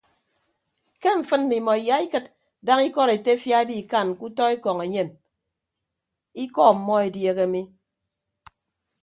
Ke mfịn mmimọ iyaikịd daña ikọd etefia ebikan ke utọ ekọñ enyem ikọ ọmmọ edieehe mi.